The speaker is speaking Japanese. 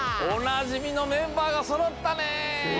おなじみのメンバーがそろったね！